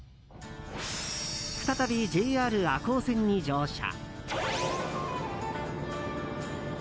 再びＪＲ赤穂線に乗車。